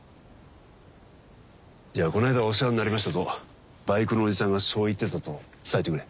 じゃあこの間はお世話になりましたとバイクのおじさんがそう言ってたと伝えてくれ。